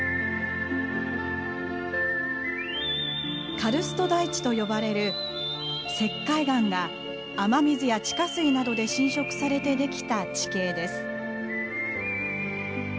カルスト台地と呼ばれる石灰岩が雨水や地下水などで浸食されてできた地形です。